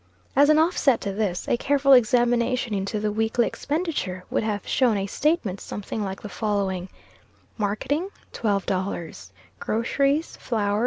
As an off set to this, a careful examination into the weekly expenditure would have shown a statement something like the following: Marketing $12; groceries, flour, &c.